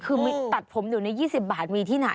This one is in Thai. คือตัดผมอยู่ใน๒๐บาทมีที่ไหน